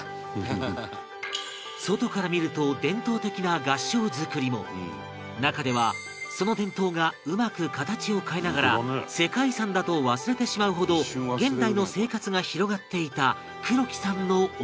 外から見ると伝統的な合掌造りも中ではその伝統がうまく形を変えながら世界遺産だと忘れてしまうほど現代の生活が広がっていた黒木さんのお宅